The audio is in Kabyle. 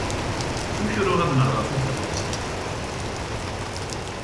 Ttkukruɣ ad nehreɣ takerrust.